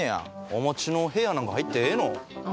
おもちの部屋なんか入ってええの？